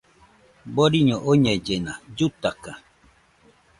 Boriño oñellena, llutaka